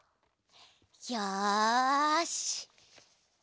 よし。